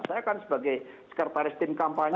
saya kan sebagai sekretaris tim kampanye